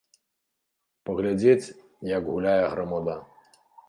Паглядзець, як гуляе грамада.